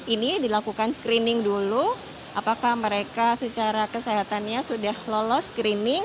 ini dilakukan screening dulu apakah mereka secara kesehatannya sudah lolos screening